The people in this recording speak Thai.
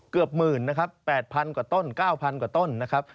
เกือบหมื่นนะครับ๘๐๐กว่าต้น๙๐๐กว่าต้นนะครับ